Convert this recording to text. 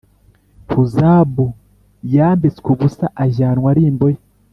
Huzabu yambitswe ubusa ajyanwa ari imbohe